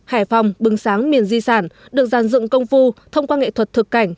hải phòng bưng sáng miền di sản được giàn dựng công phu thông qua nghệ thuật thực cảnh